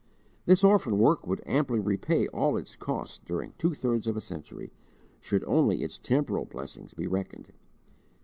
This orphan work would amply repay all its cost during two thirds of a century, should only its temporal benefits be reckoned.